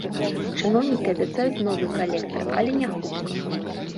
Чыноўнікі абяцаюць новы калектар, але няхутка.